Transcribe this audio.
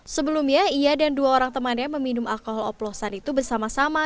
sebelumnya ia dan dua orang temannya meminum alkohol oplosan itu bersama sama